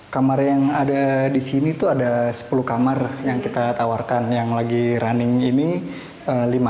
kamar yang ada di sini tuh ada sepuluh kamar yang kita tawarkan yang lagi running ini